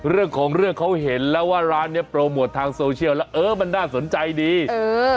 เรื่องของเรื่องเขาเห็นแล้วว่าร้านเนี้ยโปรโมททางโซเชียลแล้วเออมันน่าสนใจดีเออ